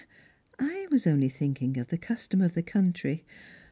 I was only thinldng of the custom of the country.